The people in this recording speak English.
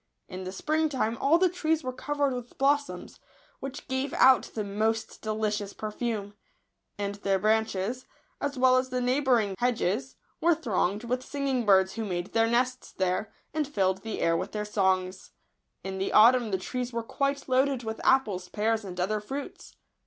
In the spring time all the trees were covered with blossoms, which gave out the most delicious perfume ; and their branches, as well as the neigh bouring hedges, were thronged with singing birds w ho made their nests there, and filled the air with their songs. In the autumn the trees were quite loaded with apples, pears, and other fruits.